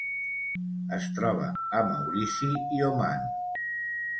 Es troba a Maurici i Oman.